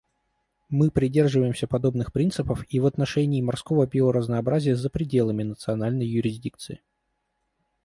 Мы придерживаемся подобных принципов и в отношении морского биоразнообразия за пределами национальной юрисдикции.